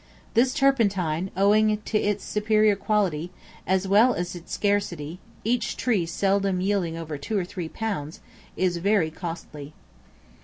This turpentine, owing to its superior quality, as well as its scarcity, each tree seldom yielding over two or three pounds, is very costly.